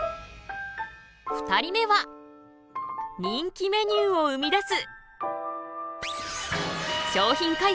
２人目は人気メニューを生み出す。